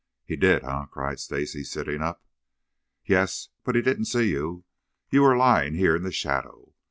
"He did, eh?" cried Stacy, sitting up. "Yes, but he didn't see you. You were lying here in the shadow.